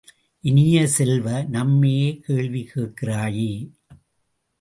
இனிய செல்வ, நம்மையே கேள்வி கேட்கிறாயே!